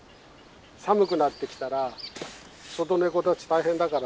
寒くなってきたら外ネコたち大変だからね